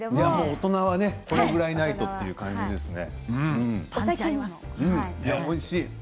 大人はこれぐらいないとという感じですね。